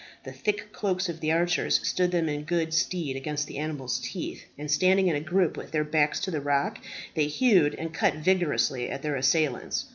The thick cloaks of the archers stood them in good stead against the animals' teeth, and standing in a group with their backs to the rock, they hewed and cut vigorously at their assailants.